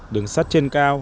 đường sắt trên cao